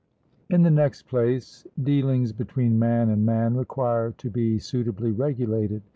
In the next place, dealings between man and man require to be suitably regulated.